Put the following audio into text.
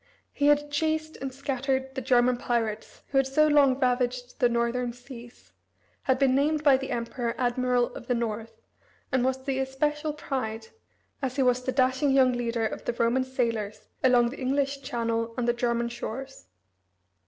He had chased and scattered the German pirates who had so long ravaged the northern seas, had been named by the Emperor admiral of the north, and was the especial pride, as he was the dashing young leader, of the Roman sailors along the English Channel and the German shores.